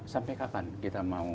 sampai kapan kita mau